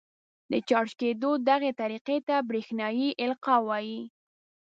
د چارج کېدو دغې طریقې ته برېښنايي القاء وايي.